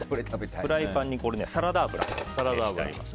フライパンにサラダ油が熱してあります。